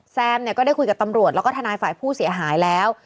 แซมเนี่ยก็ได้คุยกับตำรวจแล้วก็ทนายฝ่ายผู้เสียหายแล้ว